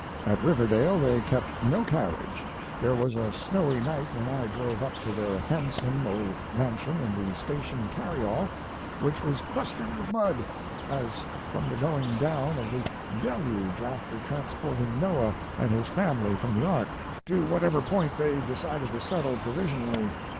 At Riverdale they kept no carriage, and there was a snowy night when I drove up to their handsome old mansion in the station carryall, which was crusted with mud, as from the going down of the Deluge after transporting Noah and his family from the Ark to whatever point they decided to settle provisionally.